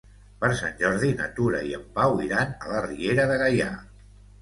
Per Sant Jordi na Tura i en Pau iran a la Riera de Gaià.